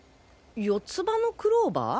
四つ葉のクローバー？